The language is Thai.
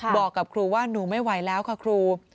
บอกกับครูว่าหนูไม่ไหวแล้วค่ะครู